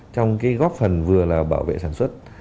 trong góp phần vừa là bảo vệ sản xuất